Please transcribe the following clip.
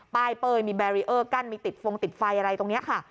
เป้ยมีแบรีเออร์กั้นมีติดฟงติดไฟอะไรตรงนี้ค่ะ